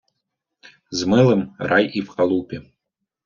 з милим рай і в халупі